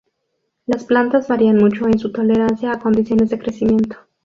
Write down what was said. Las plantas varían mucho en su tolerancia a condiciones de crecimiento.